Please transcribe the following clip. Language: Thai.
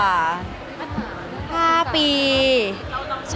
บอสเด็กกว่า๕ปีใช่